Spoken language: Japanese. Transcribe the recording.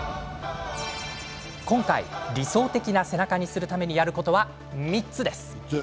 今回、理想的な背中にするためにやることは３つ。